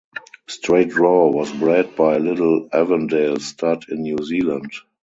Straight Draw was bred by Little Avondale Stud in New Zealand.